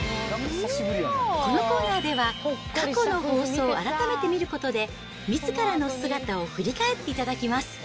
このコーナーでは、過去の放送を改めて見ることで、みずからの姿を振り返っていただきます。